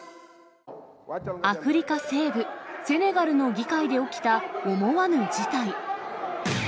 アフリカ西部セネガルの議会で起きた、思わぬ事態。